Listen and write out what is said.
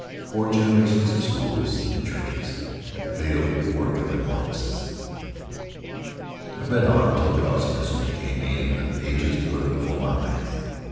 four generations of schools and churches have failed to work a metamorphosis. I read on till drowsiness overcame me and the pages blurred before my eyes.